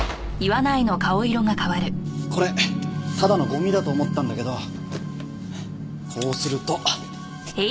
これただのゴミだと思ったんだけどこうすると。